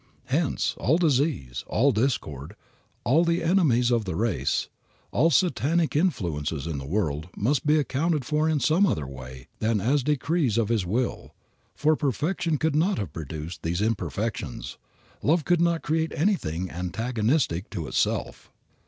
Hence all disease, all discord, all the enemies of the race, all Satanic influences in the world must be accounted for in some other way than as decrees of His will, for Perfection could not have produced these imperfections. Love could not create anything antagonistic to itself.